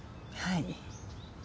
はい。